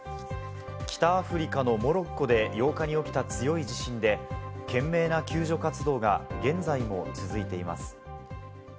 北アフリカのモロッコで８日に起きた強い地震で懸命な救助活動が現在も続いています。